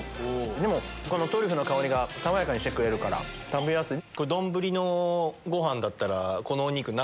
でもトリュフの香りが爽やかにしてくれるから食べやすい。